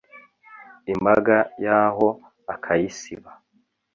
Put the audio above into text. imbaga y’aho akayisiba.